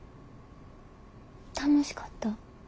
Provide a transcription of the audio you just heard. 楽しかった？